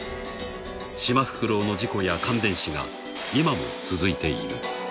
［シマフクロウの事故や感電死が今も続いている］